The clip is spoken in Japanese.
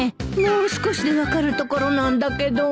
もう少しで分かるところなんだけど